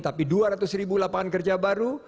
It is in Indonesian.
tapi dua ratus ribu lapangan kerja baru